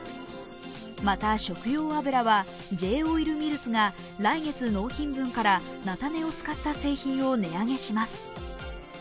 また、食用油はＪ−オイルミルズが来月納品分から菜種を使った製品を値上げします。